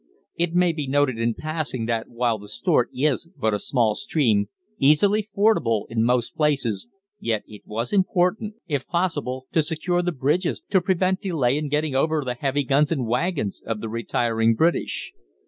It may be noted in passing that while the Stort is but a small stream, easily fordable in most places, yet it was important, if possible, to secure the bridges to prevent delay in getting over the heavy guns and waggons of the retiring British.